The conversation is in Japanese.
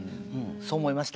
そう思いました。